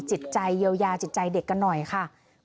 จิตใจเยียวยาจิตใจเด็กกันหน่อยค่ะ